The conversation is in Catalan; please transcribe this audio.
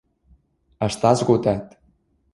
Està esgotat.